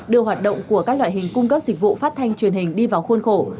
đưa hoạt động của các loại hình cung cấp dịch vụ phát thanh truyền hình đi vào khuôn khổ